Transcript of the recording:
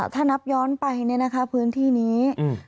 ถ้านับย้อนไปเนี่ยนะคะพื้นที่นี้